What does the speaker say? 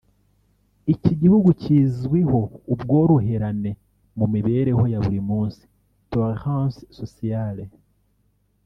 Iki gihugu kizwiho ubworoherane mu mu mibereho ya buri munsi (tolérance sociale)